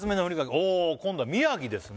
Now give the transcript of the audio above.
お今度は宮城ですね